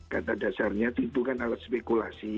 kata dasarnya itu kan alat spekulasi